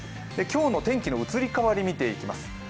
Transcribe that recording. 今日の天気の移り変わりを見ていきます。